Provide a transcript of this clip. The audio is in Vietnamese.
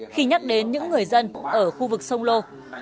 khi nhắc đến những người dân ở khu vực sông lô